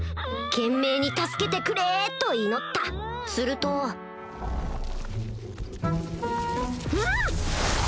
懸命に「助けてくれ」と祈ったするとん！